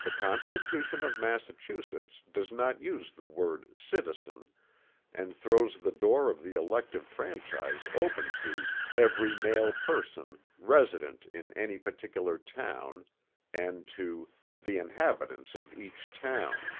The Constitution of Massachusetts does not use the word "citizen," and throws the door of the elective franchise open to "every male person" "resident in any particular town" and to "the inhabitants of each town."